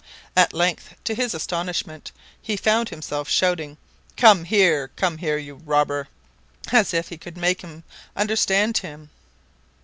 At length, to his astonishment, he found himself shouting: "Come here! come here! you robber!" as if he could make him understand him.